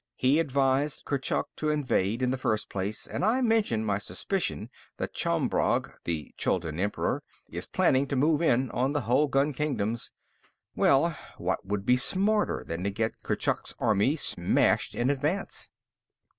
He advised Kurchuk to invade, in the first place, and I mentioned my suspicion that Chombrog, the Chuldun Emperor, is planning to move in on the Hulgun kingdoms. Well, what would be smarter than to get Kurchuk's army smashed in advance?"